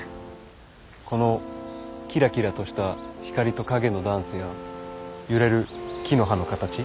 このきらきらとした光と影のダンスや揺れる木の葉の形